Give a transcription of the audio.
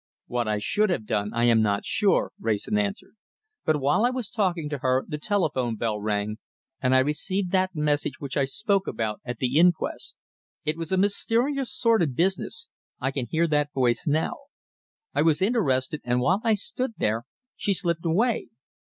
"What I should have done I am not sure," Wrayson answered, "but while I was talking to her the telephone bell rang, and I received that message which I spoke about at the inquest. It was a mysterious sort of business I can hear that voice now. I was interested, and while I stood there she slipped away."